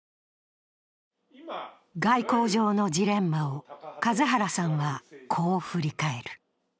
外交上のジレンマを数原さんは、こう振り返る。